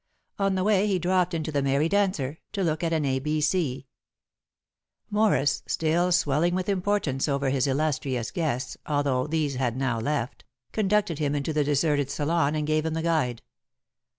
On the way he dropped into "The Merry Dancer" to look at an "A B C." Morris, still swelling with importance over his illustrious guests, although these had now left, conducted him into the deserted salon and gave him the guide.